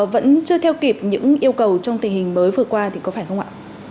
vẫn chưa theo kịp những yêu cầu trong tình hình mới vừa qua thì có phải không ạ